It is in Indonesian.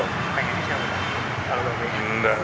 pengennya siapa pak